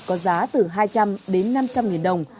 có giá từ hai trăm linh đến năm trăm linh nghìn đồng